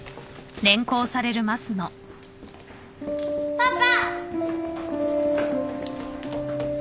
・パパ！